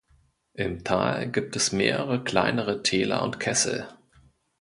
Im Tal gibt es mehrere kleinere Täler und Kessel.